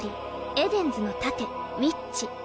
エデンズの盾・ウィッチ。